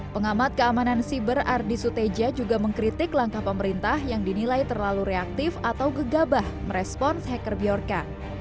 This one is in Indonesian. pengamat keamanan siber ardi suteja juga mengkritik langkah pemerintah yang dinilai terlalu reaktif atau gegabah merespons hacker bjorka